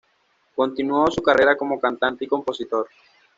Continuó su carrera como cantante y compositor.